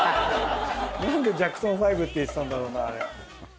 なんでジャクソン５っていってたんだろうなあれ。